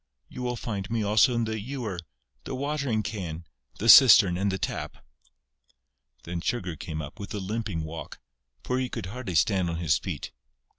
You will find me also in the ewer, the watering can, the cistern and the tap...." Then Sugar came up, with a limping walk, for he could hardly stand on his feet.